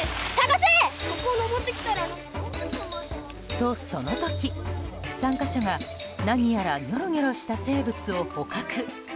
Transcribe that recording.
と、その時、参加者が何やらにょろにょろした生物を捕獲。